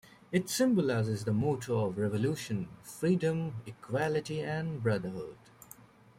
It symbolizes the motto of the Revolution: "Freedom", "Equality" and "Brotherhood".